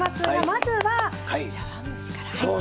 まずは茶わん蒸しから。